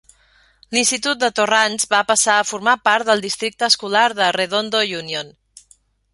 L'institut de Torrance va passar a formar part del districte escolar de Redondo Union.